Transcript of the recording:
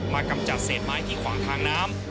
กำจัดเศษไม้ที่ขวางทางน้ำ